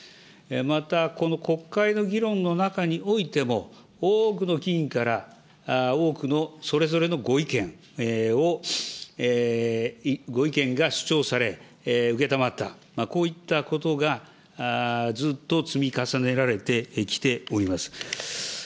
また、この国会の議論の中においても、多くの議員から、多くのそれぞれのご意見を、ご意見が主張され、承った、こういったことがずっと積み重ねられてきております。